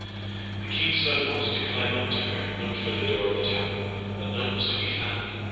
The king's son wanted to climb up to her, and looked for the door of the tower, but none was to be found.